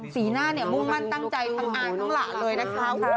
สีหน้าเนี่ยมุมมั่นตั้งใจต้องอ่านต้องหละเลยนะคะ